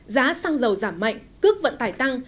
giá xăng dầu giảm mạnh cước vận tải tăng